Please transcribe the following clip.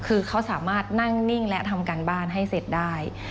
คือเขาสามารถนั่งนิ่งและทำการบ้านให้เสร็จได้